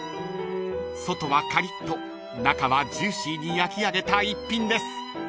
［外はカリッと中はジューシーに焼き上げた一品です］